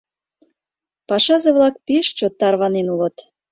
Пашазе-влак пеш чот тарванен улыт.